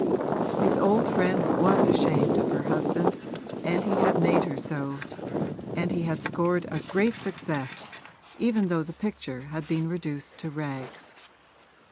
His old friend was ashamed of her husband, and he had made her so, and he had scored a great success, even though the picture had been reduced to rags.